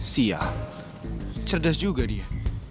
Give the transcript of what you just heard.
siang cerdas juga dia